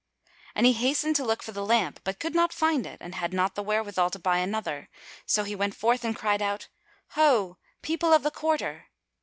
And he hastened to look for the lamp, but could not find it and had not the wherewithal to buy another. So he went forth and cried out, "Ho, people of the quarter!"